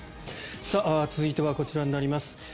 続いては、こちらになります。